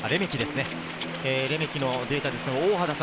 レメキのデータです。